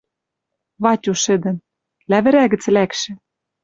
Ватю шӹдӹн: «Лявӹрӓ гӹц лӓкшӹ